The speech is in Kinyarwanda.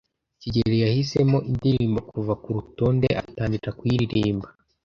kigeli yahisemo indirimbo kuva kurutonde atangira kuyiririmba.